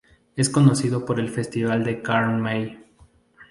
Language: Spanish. Es conocido por el Festival de Karl May.